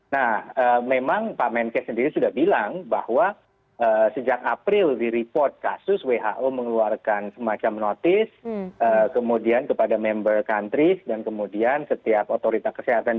nah memang pak menkes sendiri sudah bilang bahwa sejak april di report kasus who mengeluarkan semacam notice kemudian kepada member countries dan kemudian setiap otoritas kesehatan